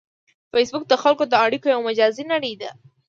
فېسبوک د خلکو د اړیکو یو مجازی نړۍ ده